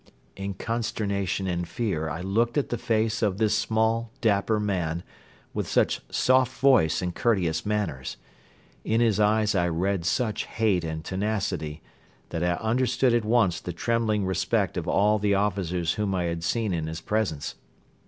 In consternation and fear I looked at the face of this small, dapper man with such soft voice and courteous manners. In his eyes I read such hate and tenacity that I understood at once the trembling respect of all the officers whom I had seen in his presence.